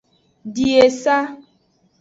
Di esa.